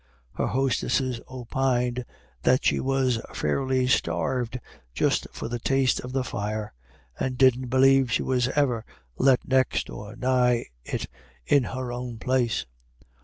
Her hostesses opined that she was fairly starved just for a taste of the fire, and didn't believe she was ever let next or nigh it in her own place.